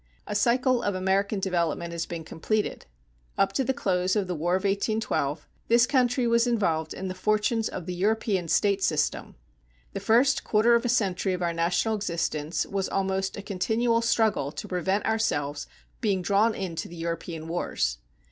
A cycle of American development has been completed. Up to the close of the War of 1812, this country was involved in the fortunes of the European state system. The first quarter of a century of our national existence was almost a continual struggle to prevent ourselves being drawn into the European wars.